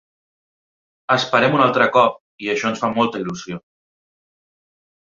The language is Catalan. Esperem un altre cop i això ens fa molta il·lusió.